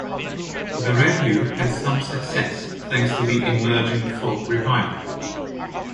The revue had some success thanks to the emerging folk revival.